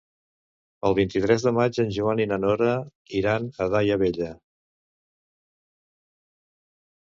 El vint-i-tres de maig en Joan i na Nora iran a Daia Vella.